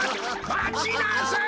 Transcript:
まちなさい。